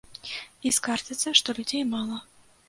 І скардзяцца, што людзей мала.